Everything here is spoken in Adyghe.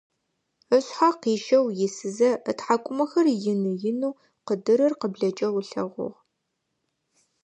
Ышъхьэ къищэу исызэ, ытхьакӀумэхэр ины-инэу къыдырыр къыблэкӀэу ылъэгъугъ.